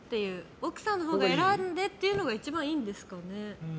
奥さんのほうが選んでというのが一番いいんですかね。